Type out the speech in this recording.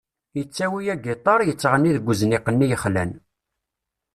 Yettawi agiṭar, yettɣenni deg uzniq-nni yexlan.